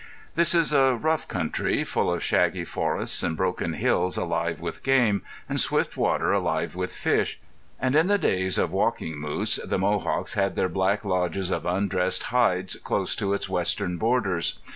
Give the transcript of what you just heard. This is a rough country, full of shaggy forests and broken hills alive with game, and swift water alive with fish; and in the days of Walking Moose the Mohawks had their black lodges of undressed hides close to its western borders.